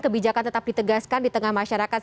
kebijakan tetap ditegaskan di tengah masyarakat